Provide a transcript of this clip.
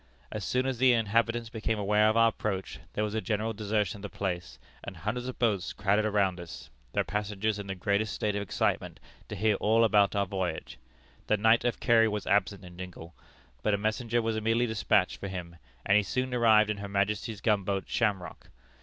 As soon as the inhabitants became aware of our approach, there was a general desertion of the place, and hundreds of boats crowded around us, their passengers in the greatest state of excitement to hear all about our voyage. The Knight of Kerry was absent in Dingle, but a messenger was immediately dispatched for him, and he soon arrived in Her Majesty's gunboat Shamrock.